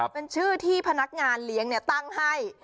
เป็นชื่อที่พนักงานเลี้ยงตั้งให้